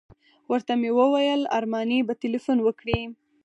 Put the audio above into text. ورته ومې ویل ارماني به تیلفون وکړي.